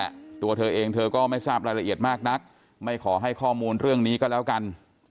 ตัวเธอเองเธอก็ไม่ทราบรายละเอียดมากนักไม่ขอให้ข้อมูลเรื่องนี้ก็แล้วกัน